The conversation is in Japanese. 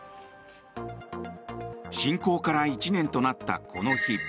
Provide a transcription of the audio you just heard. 侵攻から１年となったこの日。